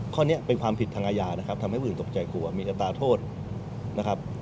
ข้อนี้เป็นความผิดทางอาญานะครับทำให้ผู้อื่นตกใจกลัวมีอัตราโทษนะครับ